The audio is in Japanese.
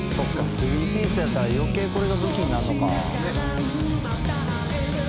３ピースやから余計これが武器になるのか」